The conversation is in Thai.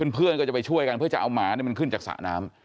เพื่อนก็จะไปช่วยกันเพื่อจะเอาหมามันขึ้นจากสระน้ำ